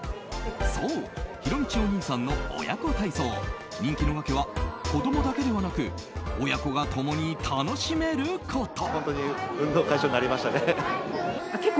そうひろみちお兄さんの親子体操人気の訳は子供だけではなく親子が共に楽しめること。